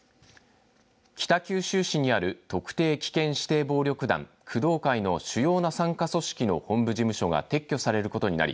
北九州市にある特定危険指定暴力団工藤会の主要な傘下組織の本部事務所が撤去されることになり